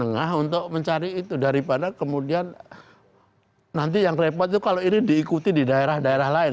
menengah untuk mencari itu daripada kemudian nanti yang repot itu kalau ini diikuti di daerah daerah lain